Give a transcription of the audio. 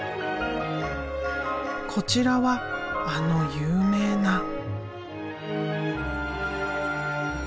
こちらはあの有名な。